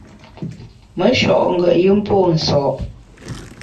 Me sho’ ngùet yùm pô nso’.